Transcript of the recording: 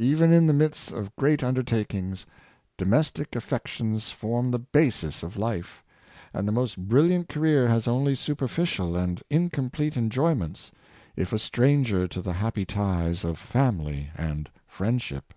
Even in the midst of great undertakings, domes tic affections form the basis of life; and the most bril liant career has only superficial and incomplete enjoy ments, if a stranger to the happy ties of family and friendship."